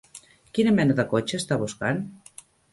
Quina mena de cotxe està buscant?